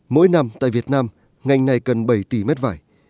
mỗi năm tại việt nam ngành này cần bảy tỷ mét vải